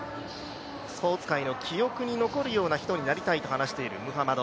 スポーツ界の記憶に残るようになりたいと話しているムハマド。